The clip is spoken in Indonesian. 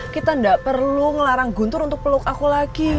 kita tidak perlu ngelarang guntur untuk peluk aku lagi